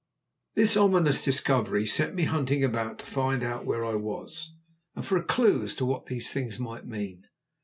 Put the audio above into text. This ominous discovery set me hunting about to find out where I was, and for a clue as to what these things might mean.